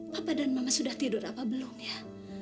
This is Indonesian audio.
bapak dan mama sudah tidur apa belum ya